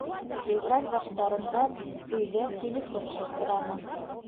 Февраль баштарында өйҙә телефон шылтыраны.